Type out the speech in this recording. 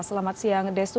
selamat siang destu